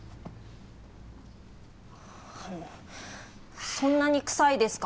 あのそんなに臭いですか？